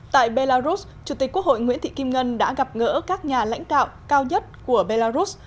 tại belarus chủ tịch quốc hội nguyễn thị kim ngân đã gặp ngỡ các nhà lãnh đạo cao nhất của belarus